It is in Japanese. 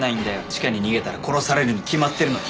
地下に逃げたら殺されるに決まってるのに。